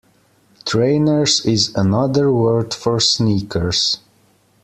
Trainers is another word for sneakers